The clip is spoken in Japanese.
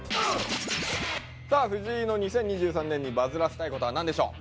さあ藤井の２０２３年にバズらせたいことは何でしょう？